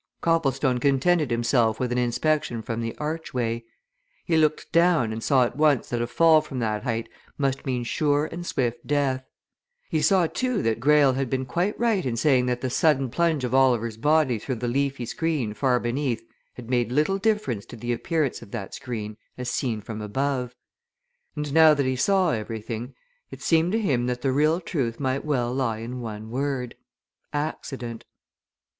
Copplestone contented himself with an inspection from the archway; he looked down and saw at once that a fall from that height must mean sure and swift death: he saw, too, that Greyle had been quite right in saying that the sudden plunge of Oliver's body through the leafy screen far beneath had made little difference to the appearance of that screen as seen from above. And now that he saw everything it seemed to him that the real truth might well lie in one word accident.